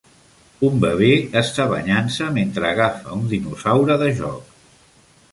Un bebè està banyant-se mentre agafa un dinosaure de joc.